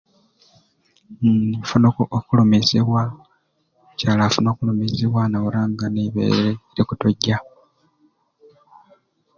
Hmmm nfuna oku okulumizibwa omukyala afuna okulumizibwa nawura nga neibere likutujja